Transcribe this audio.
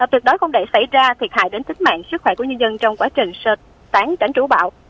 tuyệt đối không đẩy xảy ra thiệt hại đến tính mạng sức khỏe của nhân dân trong quá trình sợi sáng tránh trú bão